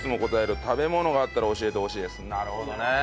なるほどねえ。